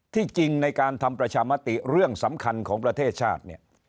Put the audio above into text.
จริงในการทำประชามติเรื่องสำคัญของประเทศชาติเนี่ย